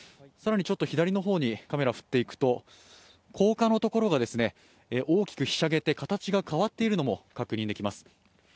更にちょっと左の方にカメラを振っていくと高架のところが大きくひしゃげて形が変わっているのも確認できます。